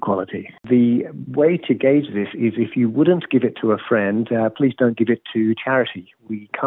kita tidak bisa menerima apa apa yang terlalu terbuka terbuka atau terbuka